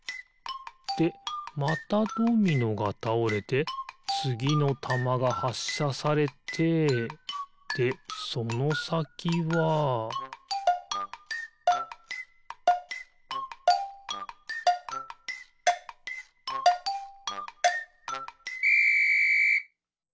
でまたドミノがたおれてつぎのたまがはっしゃされてでそのさきはピッ！